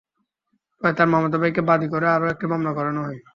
পরে তাঁর মামাতো ভাইকে বাদী করে আরও একটি মামলা করানো হয়।